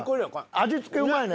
味付けうまいね！